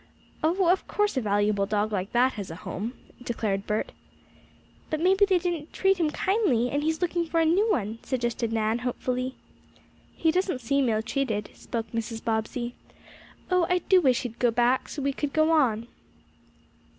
"Oh, of course a valuable dog like that has a home," declared Bert. "But maybe they didn't treat him kindly, and he is looking for a new one," suggested Nan, hopefully. "He doesn't seem illtreated," spoke Mrs. Bobbsey. "Oh, I do wish he'd go back, so we could go on."